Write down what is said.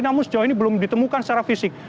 namun sejauh ini belum ditemukan secara fisik